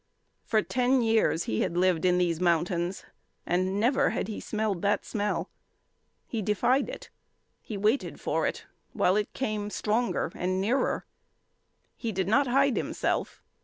For ten years he had lived in these mountains and never had he smelled that smell. He defied it. He waited for it, while it came stronger and nearer. He did not hide himself.